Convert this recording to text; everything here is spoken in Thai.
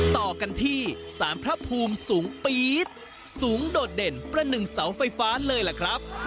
ต่อกันที่สารพระภูมิสูงปี๊ดสูงโดดเด่นประหนึ่งเสาไฟฟ้าเลยล่ะครับ